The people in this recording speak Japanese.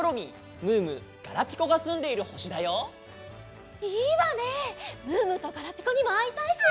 ムームーとガラピコにもあいたいし。